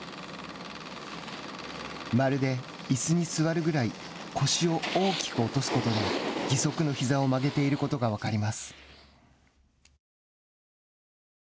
まるでいすに座るくらい腰を大きく落とすことで義足のひざを曲げていることが分かります。